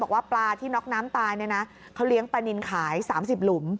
บอกว่าปลาที่น็อกน้ำตายเนี่ยนะเขาเลี้ยงปลานินขาย๓๐หลุม